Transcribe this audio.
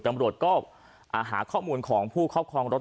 ตำรวจแล้วเป็นการหาข้อมูลของผู้ครอบครองรถ